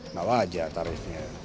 bawah aja tarifnya